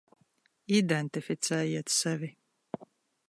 Identificējiet sevi.